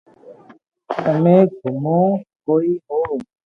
تمي گمو ڪوي ھو